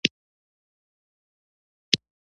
ما هم ارتباطات لوستي.